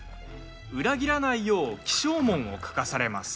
裏切らないよう起請文を書かされます。